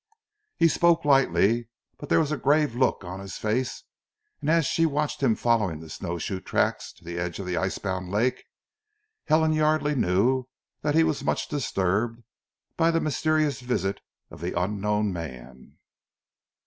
He spoke lightly, but there was a grave look on his face, and as she watched him following the snow shoe tracks to the edge of the ice bound lake, Helen Yardely knew that he was much disturbed by the mysterious visit of the unknown man.